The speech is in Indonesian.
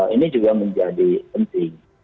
ini juga menjadi penting